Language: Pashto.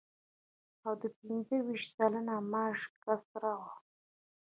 او د پنځه ویشت سلنه معاش کسر و